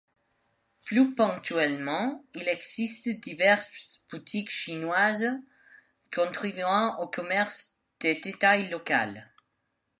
Plus ponctuellement, il existe diverses boutiques Chinoises contribuant au commerce de détail local.